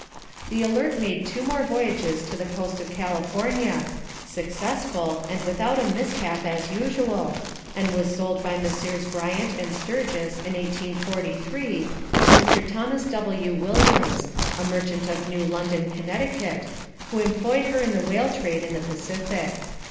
The Alert made two more voyages to the coast of California, successful, and without a mishap, as usual, and was sold by Messrs. Bryant and Sturgis, in 1843, to Mr. Thomas W. Williams, a merchant of New London, Connecticut, who employed her in the whale trade in the Pacific.